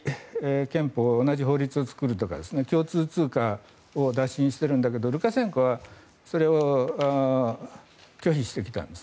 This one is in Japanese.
同じ憲法、同じ法律を作るとか共通通貨を打診しているんだけどルカシェンコ大統領はそれを拒否してきたんです。